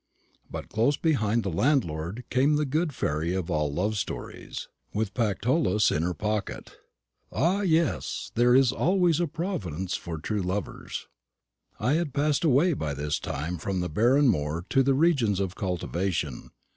But close behind the landlord came the good fairy of all love stories, with Pactolus in her pocket. Ah, yes, there is always a providence for true lovers." I had passed away by this time from the barren moor to the regions of cultivation.